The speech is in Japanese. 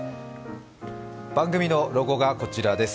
番組のロゴがこちらです。